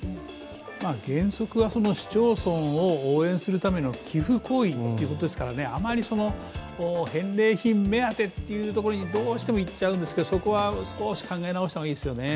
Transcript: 原則は市町村を応援するための寄付行為ということですからあまり返礼品目当てってところにどうしてもいっちゃうんですが、そこは少し考え直した方がいいですよね。